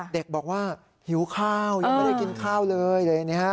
เด็กบอกว่าหิวข้าวยังไม่ได้กินข้าวเลยเลยนะฮะ